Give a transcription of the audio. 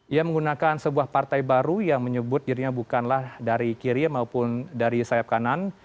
ia menggunakan sebuah partai baru yang menyebut dirinya bukanlah dari kiri maupun dari sayap kanan